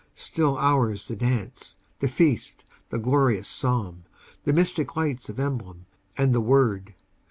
Still ours the dance, the feast, the glorious Psalm, The mystic lights of emblem, and the Word.